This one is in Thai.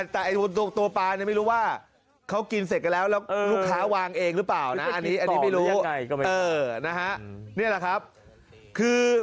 แต่ตัวปลาไม่รู้ว่าเขากินเสร็จแล้วแล้วลูกค้าวางเองหรือเปล่านะอันนี้ไม่รู้